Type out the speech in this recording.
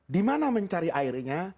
di mana mencari airnya